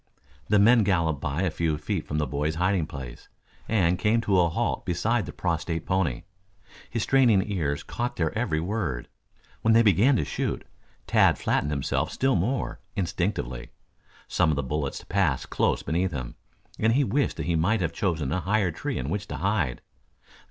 The men galloped by a few feet from the boy's hiding place and came to a halt beside the prostrate pony. His straining ears caught their every word. When they began to shoot, Tad flattened himself still more, instinctively. Some of the bullets passed close beneath him, and he wished that he might have chosen a higher tree in which to hide.